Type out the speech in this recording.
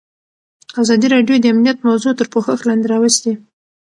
ازادي راډیو د امنیت موضوع تر پوښښ لاندې راوستې.